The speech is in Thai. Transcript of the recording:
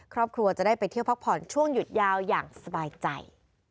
ครอบครัวจะได้ไปเที่ยวพักผ่อนช่วงหยุดยาวอย่างสบายใจ